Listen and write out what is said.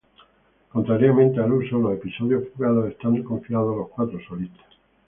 Contrariamente al uso, los episodios fugados están confiados a los cuatro solistas.